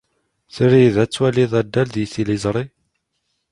Trid ad twalid addal deg tliẓri?